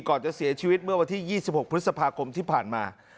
ก่อนจะเสียชีวิตเมื่อวันที่๒๖พฤษภาคมที่ผ่านมา